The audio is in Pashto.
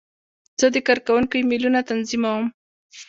زه د کارکوونکو ایمیلونه تنظیموم.